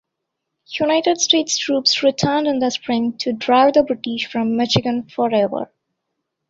United States troops returned in the spring to drive the British from Michigan forever.